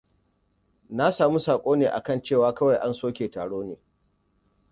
Na samu sako ne a akan cewa kawai an soke taro.